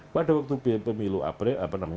pada waktu pilek april itu